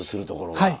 はい。